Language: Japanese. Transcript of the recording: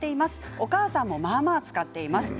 お母さんもまあまあ使っています。